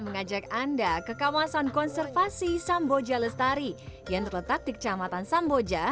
mengajak anda ke kawasan konservasi samboja lestari yang terletak di kecamatan samboja